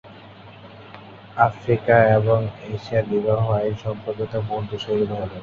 Africa এবং এশিয়ার বিবাহ আইন সম্পর্কিত মূল বিষয়গুলো হল;